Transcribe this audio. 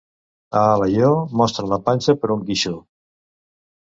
A Alaior, mostren la panxa per un guixó.